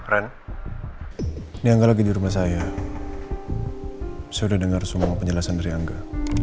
keren ini angga lagi di rumah saya saya udah dengar semua penjelasan dari angga